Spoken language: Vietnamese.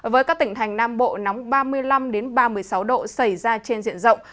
với các tỉnh thành nam bộ nóng ba mươi năm ba mươi sáu độ xảy ra trên diện rộng